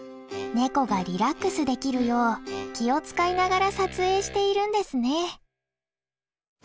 ネコがリラックスできるよう気を遣いながら撮影しているんですね。